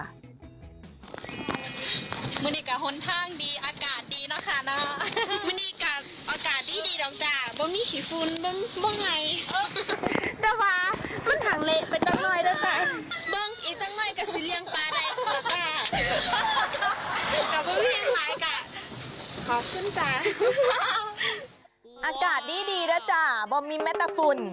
อากาศดีแล้วจ้าบอมมีแม้แต่ฝุ่น